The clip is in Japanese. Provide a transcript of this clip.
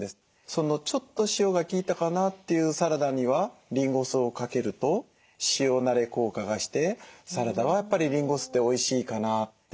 ちょっと塩が効いたかなっていうサラダにはリンゴ酢をかけると塩なれ効果がしてサラダはやっぱりリンゴ酢っておいしいかなって。